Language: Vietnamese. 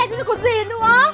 hỏng hết xe chứ có gì nữa